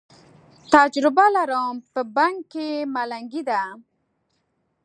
تجره لرم، په بنګ کې ملنګي ده